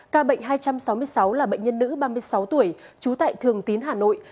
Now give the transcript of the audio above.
ca bệnh hai trăm sáu mươi sáu là bệnh nhân nữ ba mươi sáu tuổi trú tại thường tín hà nội